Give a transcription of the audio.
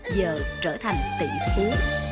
giờ trở thành tỷ phú